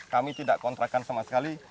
kami tidak kontrakan sama sekali